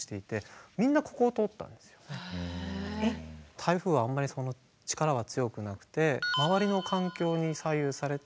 台風はあんまり力は強くなくて周りの環境に左右されて動くんですね。